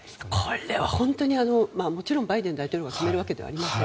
これは本当にもちろんバイデン大統領が決めることではありません。